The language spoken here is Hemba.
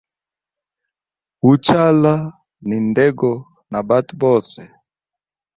Uchala ni ndego na bandu bose.